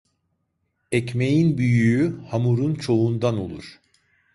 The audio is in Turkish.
Ekmeğin büyüğü, hamurun çoğundan olur.